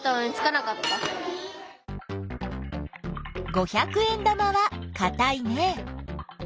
五百円玉はかたいね。